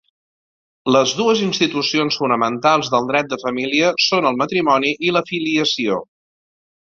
Les dues institucions fonamentals del dret de família són el matrimoni i la filiació.